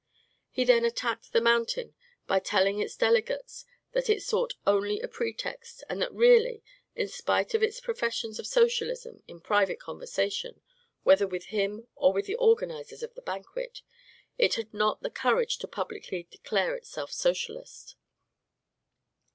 He then attacked the Mountain by telling its delegates that it sought only a pretext, and that really, in spite of its professions of Socialism in private conversation, whether with him or with the organizers of the banquet, it had not the courage to publicly declare itself Socialist.